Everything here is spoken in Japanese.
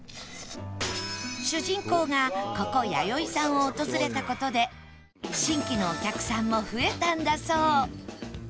主人公がここやよいさんを訪れた事で新規のお客さんも増えたんだそう